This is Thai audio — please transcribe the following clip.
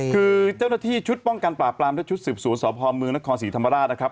คือเจ้าหน้าที่ชุดป้องกันปราบปรามและชุดสืบสวนสพเมืองนครศรีธรรมราชนะครับ